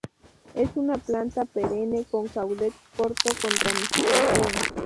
Es una planta perenne con caudex corto con ramificación.